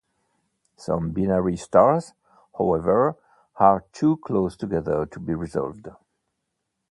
Some binary stars, however, are too close together to be resolved.